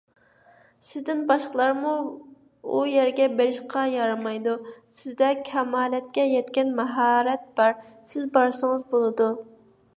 سىزدىن باشقىلارمۇ ئۇ يەرگە بېرىشقا يارىمايدۇ، سىزدە كامالەتكە يەتكەن ماھارەت بار، سىز بارسىڭىز بولىدۇ.